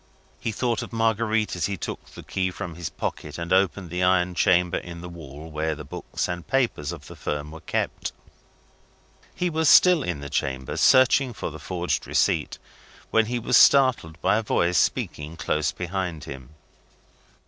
He thought of Marguerite, as he took the key from his pocket and opened the iron chamber in the wall in which the books and papers of the firm were kept. He was still in the chamber, searching for the forged receipt, when he was startled by a voice speaking close behind him.